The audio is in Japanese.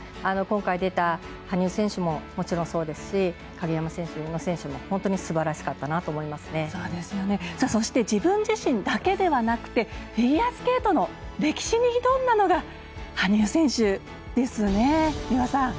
今回出た、羽生選手ももちろんそうですし鍵山選手、宇野選手も本当にすばらしかったなとそして自分自身だけではなくフィギュアスケートの歴史に挑んだのが羽生選手ですね。